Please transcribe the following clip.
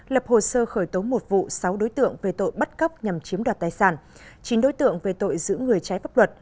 lập hồ sơ khởi tố một vụ sáu đối tượng về tội bắt cóc nhằm chiếm đoạt tài sản chín đối tượng về tội giữ người trái pháp luật